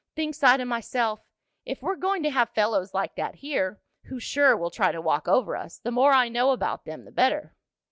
Thinks I to myself, if we're going to have fellows like that here, who sure will try to walk over us, the more I know about them the better.